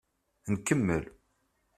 Nkemmel.